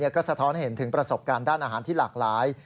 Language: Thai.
ก็สะท้อนเห็นถึงประสบการณ์ด้านอาหารที่หลากหลาย